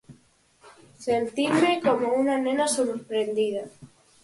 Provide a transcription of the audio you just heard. Sentinme como unha nena sorprendida.